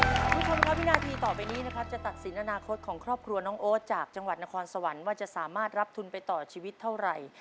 คุณผู้ชมครับวินาทีต่อไปนี้นะครับจะตัดสินอนาคตของครอบครัวน้องโอ๊ตจากจังหวัดนครสวรรค์ว่าจะสามารถรับทุนไปต่อชีวิตเท่าไหร่